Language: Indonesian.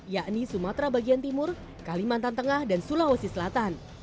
yakni sumatera bagian timur kalimantan tengah dan sulawesi selatan